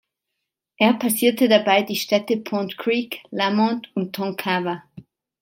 Er passiert dabei die Städte Pond Creek, Lamont und Tonkawa.